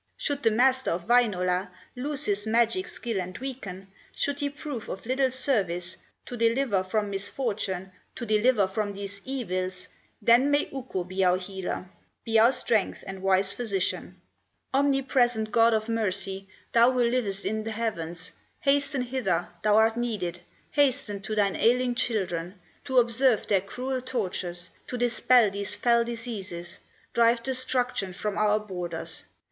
Should the Master of Wainola Lose his magic skill and weaken, Should he prove of little service To deliver from misfortune, To deliver from these evils, Then may Ukko be our healer, Be our strength and wise Physician. "Omnipresent God of mercy, Thou who livest in the heavens, Hasten hither, thou art needed, Hasten to thine ailing children, To observe their cruel tortures, To dispel these fell diseases, Drive destruction from our borders.